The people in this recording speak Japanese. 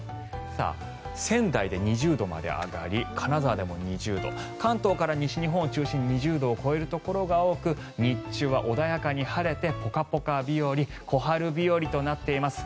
仙台で２０度まで上がり金沢でも２０度関東から西日本を中心に２０度を超えるところが多く日中は穏やかに晴れてポカポカ日和小春日和となっています。